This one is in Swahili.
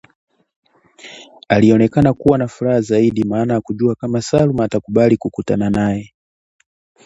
Alionekana kuwa na furaha zaidi maana hakujuwa kama Salma atakubali kukutana naye